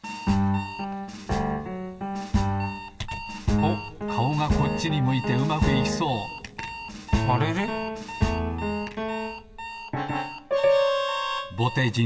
おっかおがこっちに向いてうまくいきそうぼてじん